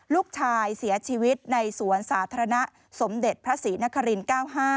ลูกชายเสียชีวิตในสวนสาธารณะสมเด็จพระศรีนครินทร์๙๕